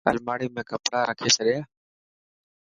الماڙي ۾ ڪپڙا رکي ڇڏيا.